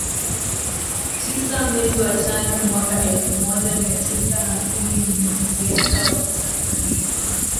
tisa mwezi wa tano mwaka elfu moja mia tisa hamsini ni mwanasiasa wa Kitanzania